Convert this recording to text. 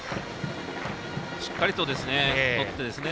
しっかりととって。